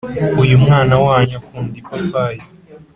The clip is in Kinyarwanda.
uyu mwana wanyu akunda ipapayi